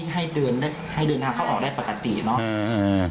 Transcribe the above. ให้เตือนได้ให้เดินทางเข้าออกได้ปกติเนอะอ่าอ่า